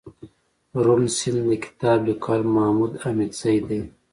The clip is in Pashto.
دروڼ سيند دکتاب ليکوال محمودحميدزى دئ